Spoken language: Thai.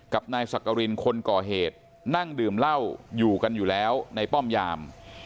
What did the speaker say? กับนายสักกรินคนก่อเหตุนั่งดื่มเหล้าอยู่กันอยู่แล้วในป้อมยาม